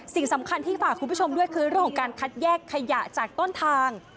สิ่งสำคัญที่ฝากคุณผู้ชมด้วยคือเรื่องของการคัดแยกขยะจากต้นทาง